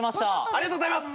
ありがとうございます！